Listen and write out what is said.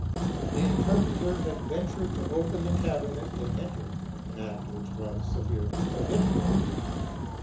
The interpreter had ventured to open the cabinet and enter, an act which was severely prohibited.